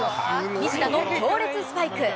西田の強烈スパイク。